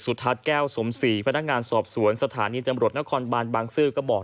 ทัศน์แก้วสมศรีพนักงานสอบสวนสถานีตำรวจนครบานบางซื่อก็บอก